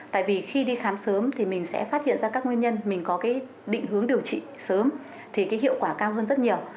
tại vì khi đi khám sớm thì mình sẽ phát hiện ra các nguyên nhân mình có cái định hướng điều trị sớm thì cái hiệu quả cao hơn rất nhiều